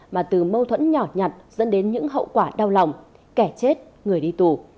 mà từ mâu thuẫn nhỏ nhặt dẫn đến những hậu quả đau lòng kẻ chết người đi tù